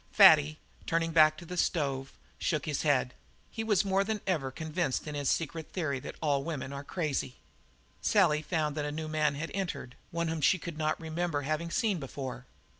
Fatty, turning back to the stove, shook his head; he was more than ever convinced in his secret theory that all women are crazy. Sally found that a new man had entered, one whom she could not remember having seen before.